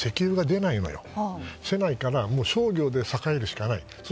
出ないから商業で栄えるしかない。